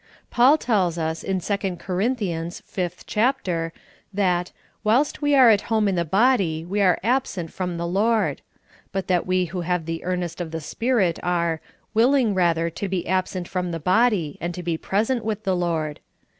Paul tells us, in 2d Corinthians, 5th chapter, that "whilst we are at home in the body, we are absent from the Lord," but that we who have the earnest of the Spirit are '' willing rather to be absent from the body, and to be present with the Lord."